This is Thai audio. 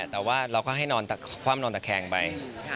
แต่ว่าเราก็ให้นอนคว่ำนอนตะแคงไป